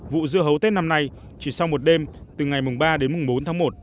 vụ dưa hấu tết năm nay chỉ sau một đêm từ ngày ba đến bốn tháng một